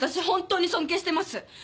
本当に尊敬してます。